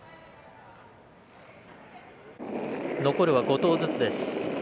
残るは５投ずつです